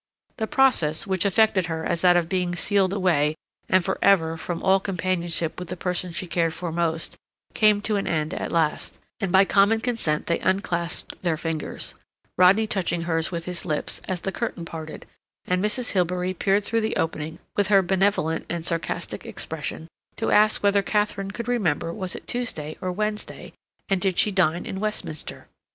The process, which affected her as that of being sealed away and for ever from all companionship with the person she cared for most, came to an end at last, and by common consent they unclasped their fingers, Rodney touching hers with his lips, as the curtain parted, and Mrs. Hilbery peered through the opening with her benevolent and sarcastic expression to ask whether Katharine could remember was it Tuesday or Wednesday, and did she dine in Westminster?